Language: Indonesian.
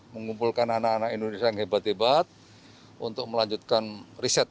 mengumpulkan anak anak indonesia yang hebat hebat untuk melanjutkan riset